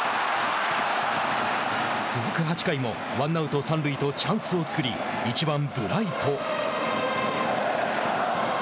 続く８回もワンアウト、三塁とチャンスを作り１番ブライト。